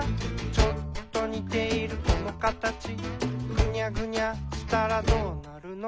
「ちょっとにているこのカタチ」「ぐにゃぐにゃしたらどうなるの？」